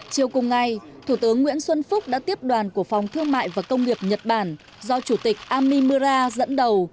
chiều cùng ngày thủ tướng nguyễn xuân phúc đã tiếp đoàn của phòng thương mại và công nghiệp nhật bản do chủ tịch amimura dẫn đầu